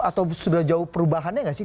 atau sudah jauh perubahannya nggak sih